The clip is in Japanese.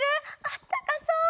あったかそう！